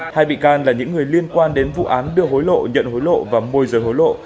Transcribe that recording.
hai bị can là những người liên quan đến vụ án đưa hối lộ nhận hối lộ và môi rời hối lộ